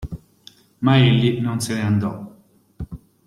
Ma egli non se ne andò.